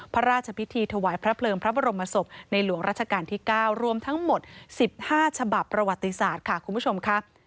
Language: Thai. พระราชพิธีถวายพระเพลิงพระบรมศพในหลวงราชการที่๙รวมทั้งหมด๑๕ฉบับประวัติศาสตร์ค่ะคุณผู้ชมค่ะ